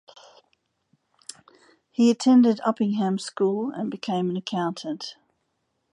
He attended Uppingham School and became an accountant.